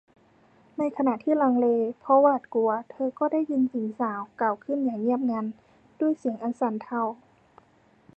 ในขณะที่ลังเลเพราะหวาดกลัวเธอก็ได้ยินหญิงสาวกล่าวขึ้นอย่างเงียบงัน ด้วยเสียงอันสั่นเทา